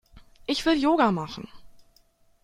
Ich will Yoga machen.